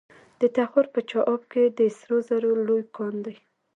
د تخار په چاه اب کې د سرو زرو لوی کان دی.